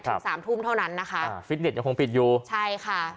ถึงสามทุ่มเท่านั้นนะคะอ่ายังคงปิดอยู่ใช่ค่ะ